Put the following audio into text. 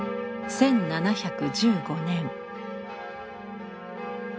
１７１５年。